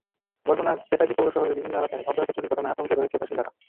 বরগুনার বেতাগী পৌর শহরের বিভিন্ন এলাকায় অব্যাহত চুরির ঘটনায় আতঙ্কে রয়েছে বাসিন্দারা।